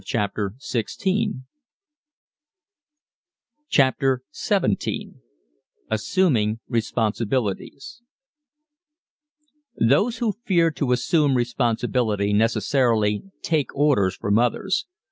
CHAPTER XVII ASSUMING RESPONSIBILITIES Those who fear to assume responsibility necessarily take orders from others.